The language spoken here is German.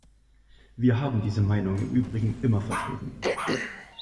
Wir haben diese Meinung im Übrigen immer vertreten.